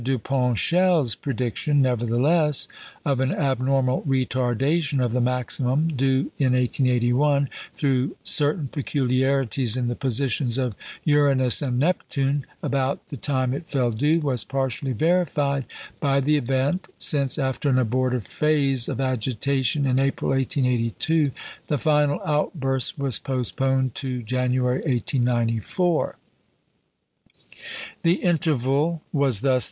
Duponchel's prediction, nevertheless, of an abnormal retardation of the maximum due in 1881 through certain peculiarities in the positions of Uranus and Neptune about the time it fell due, was partially verified by the event, since, after an abortive phase of agitation in April, 1882, the final outburst was postponed to January, 1894. The interval was thus 13.